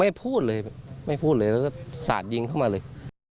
พูดเลยไม่พูดเลยแล้วก็สาดยิงเข้ามาเลย